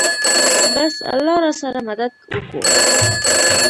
بس الله راسره مدد وکو.